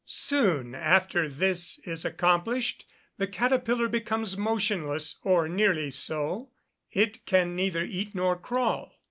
Soon after this is accomplished, the caterpillar becomes motionless, or nearly so; it can neither eat nor crawl.